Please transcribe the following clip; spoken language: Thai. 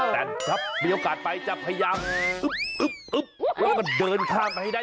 แต่ถ้ามีโอกาสไปจะพยายามอึ๊บแล้วก็เดินข้ามไปให้ได้